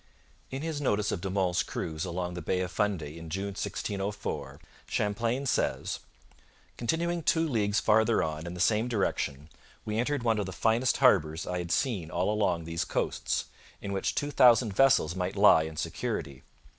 In his notice of De Monts' cruise along the Bay of Fundy in June 1604, Champlain says: 'Continuing two leagues farther on in the same direction, we entered one of the finest harbours I had seen all along these coasts, in which two thousand vessels might lie in security.